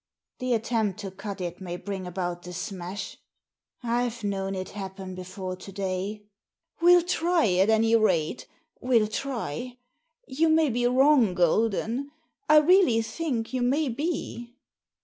The attempt to cut it may bring about the smash. I've known it happen before to day." "We'll try, at any rate — ^we'U try! You may be wrong. Golden ; I really think you may be."